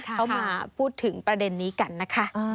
เขามาพูดถึงประเด็นนี้กันนะคะ